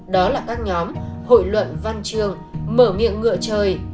đó là các nhóm hội luận văn chương mở miệng ngựa trời